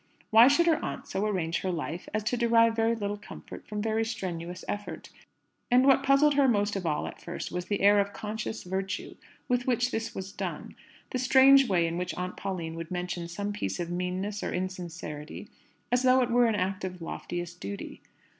Why should her aunt so arrange her life as to derive very little comfort from very strenuous effort? And what puzzled her most of all at first was the air of conscious virtue with which this was done: the strange way in which Aunt Pauline would mention some piece of meanness or insincerity as though it were an act of loftiest duty.